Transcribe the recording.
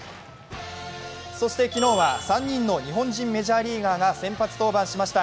そして昨日は３人の日本人メジャーリーガーが先発登板しました。